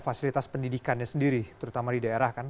fasilitas pendidikannya sendiri terutama di daerah kan